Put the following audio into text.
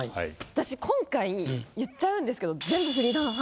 私今回言っちゃうんですけど。